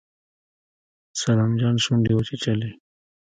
سلام جان شونډې وچيچلې.